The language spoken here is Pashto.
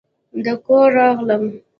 د کوره راغلم